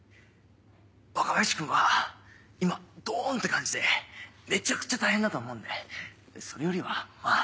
若林君は今ドンて感じでめちゃくちゃ大変だと思うんでそれよりはまぁ。